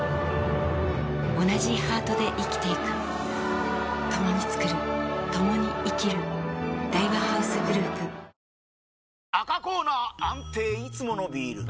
おなじハートで生きていく共に創る共に生きる大和ハウスグループ赤コーナー安定いつものビール！